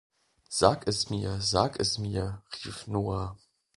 „Sag es mir, sag es mir“, rief Noah.